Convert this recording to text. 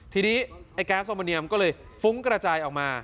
ทีนี้ไอ้แก๊สโอมาเนียมก็เลยฟุ้งกระจายออกมา